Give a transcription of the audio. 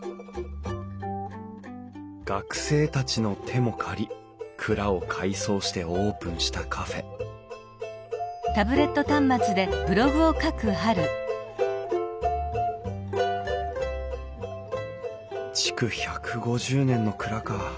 学生たちの手も借り蔵を改装してオープンしたカフェ築１５０年の蔵か。